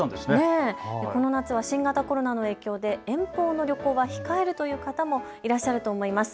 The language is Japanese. この夏は新型コロナの影響で遠方への旅行を控えるという方もいらっしゃると思います。